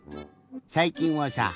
さいきんはさ